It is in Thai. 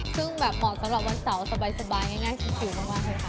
ซึ่งแบบเหมาะสำหรับวันเสาร์สบายง่ายคิวมากเลยค่ะ